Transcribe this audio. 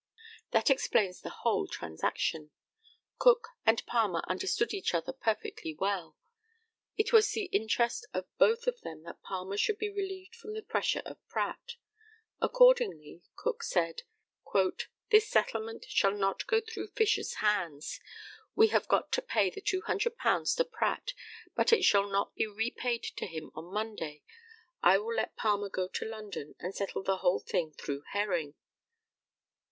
That explains the whole transaction. Cook and Palmer understood each other perfectly well. It was the interest of both of them that Palmer should be relieved from the pressure of Pratt. Accordingly, Cook said, "This settlement shall not go through Fisher's hands. We have got him to pay the £200 to Pratt, but it shall not be repaid to him on Monday. I will let Palmer go to London and settle the whole thing through Herring."